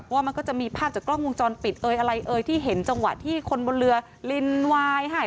ว่ามันก็จะมีภาพจากกล้องวงจรปิดอะไรที่เห็นจังหวะที่คนบนเรือลินไวน์